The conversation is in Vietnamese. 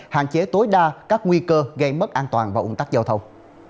hạn chế tối đa các nguy cơ gây mất an toàn và ủng tắc giao thông